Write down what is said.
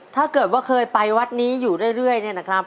ถ้าเกิดว่าเคยไปวัดนี้อยู่เรื่อยเนี่ยนะครับ